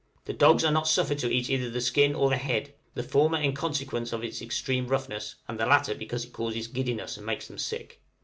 The dogs are not suffered to eat either the skin or the head, the former in consequence of its extreme roughness, and the latter because it causes giddiness and makes them sick.